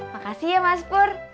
makasih ya mas pur